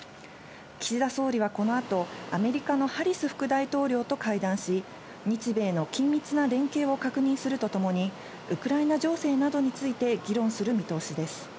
岸田総理はこのあと、アメリカのハリス副大統領と会談し、日米の緊密な連携を確認するとともに、ウクライナ情勢などについて議論する見通しです。